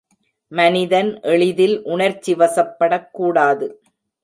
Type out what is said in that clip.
மனிதன் எளிதில் உணர்ச்சிவசப்படக் கூடாது.